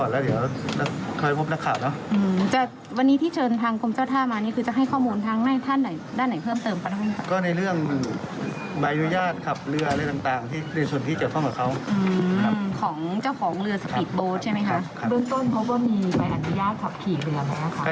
เริ่มต้นเพราะว่ามีใบอนุญาตขับขี่เรือแล้วค่ะ